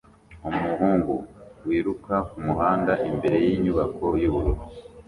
Umuhungu wiruka kumuhanda imbere yinyubako yubururu